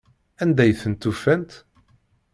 Anda i tent-ufant?